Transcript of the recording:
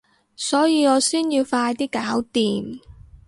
所以我先要快啲搞掂